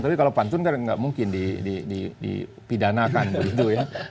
tapi kalau pantun kan nggak mungkin dipidanakan begitu ya